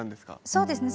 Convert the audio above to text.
そうですね。